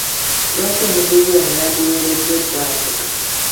Lwaki omuguzi ono yandiweereddwa ebbanja?